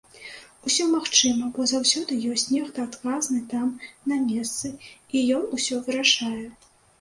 Усё магчыма, бо заўсёды ёсць нехта адказны там на месцы, і ён усё вырашае.